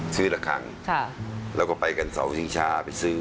ซื้อละครั้งปะแล้วก็ไปการเศร้าสิงชาไปซื้อ